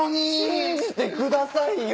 信じてくださいよ！